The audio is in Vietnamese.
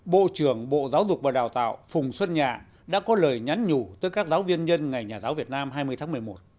bộ trưởng bộ giáo dục và đào tạo phùng xuân nhạ đã có lời nhắn nhủ tới các giáo viên nhân ngày nhà giáo việt nam hai mươi tháng một mươi một